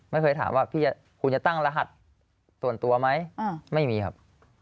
ไม่เคยถามว่าพี่คุณจะตั้งรหัสส่วนตัวไหมไม่มีครับ